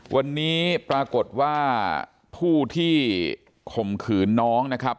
วันนี้ปรากฏว่าผู้ที่ข่มขืนน้องนะครับ